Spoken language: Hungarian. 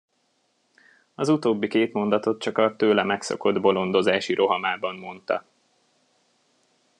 Az utóbbi két mondatot csak a tőle megszokott bolondozási rohamában mondta.